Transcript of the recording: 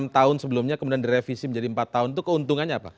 delapan tahun sebelumnya kemudian direvisi menjadi empat tahun itu keuntungannya apa